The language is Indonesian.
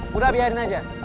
mudah biarin aja